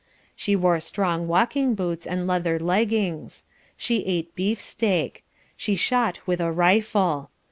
She wore strong walking boots and leather leggings. She ate beef steak. She shot with a rifle.